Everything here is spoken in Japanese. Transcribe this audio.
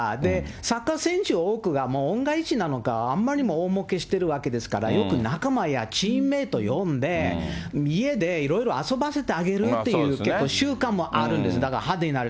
サッカー選手の多くが、恩返しなのか、あんまりにも大もうけしているわけですから、よく仲間やチームメート呼んで、家でいろいろ遊ばせてあげるっていう、結構習慣もあるんです、派手になる。